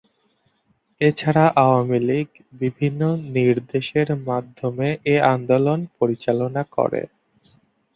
এছাড়া আওয়ামী লীগ বিভিন্ন নির্দেশের মাধ্যমে এ আন্দোলন পরিচালনা করে।